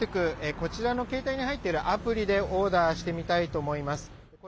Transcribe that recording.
こちらの携帯に入っているアプリでオーダーしてみたいと思います。